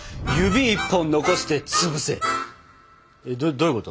どういうこと？